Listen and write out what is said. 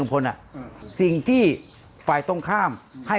โปรดติดตามต่อไป